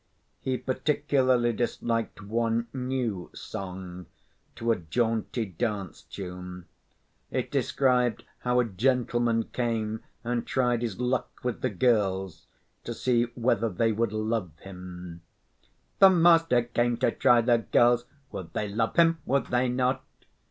He particularly disliked one "new" song to a jaunty dance‐tune. It described how a gentleman came and tried his luck with the girls, to see whether they would love him: The master came to try the girls: Would they love him, would they not?